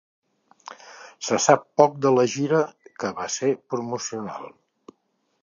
Se sap poc de la gira, que va ser promocional.